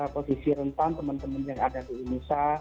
posisi rentan teman teman yang ada di indonesia